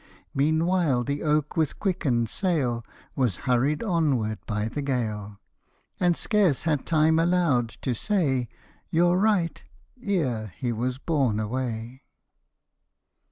Meanwhile the oak, with quicken'd sail, Was hurried onward by the gale ; And scarce had time allow'd to say " You're right," ere he was borne away.